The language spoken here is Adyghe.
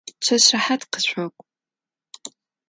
Çeş rehat khışsok'u.